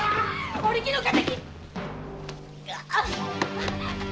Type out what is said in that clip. お力の敵！